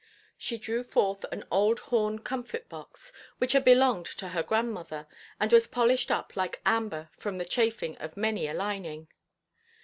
She drew forth an old horn comfit–box, which had belonged to her grandmother, and was polished up like amber from the chafing of many a lining.